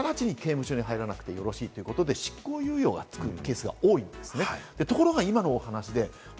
で、直ちに刑務所に入らなくてよろしいということで執行猶予が付くケースが多いんですね。